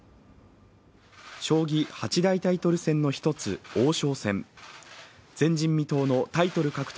将棋８大タイトル戦の１つ、王将戦前人未到のタイトル獲得